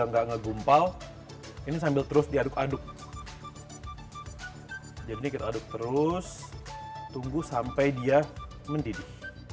enggak ngegumpal ini sambil terus diaduk aduk jadi kita aduk terus tunggu sampai dia mendidih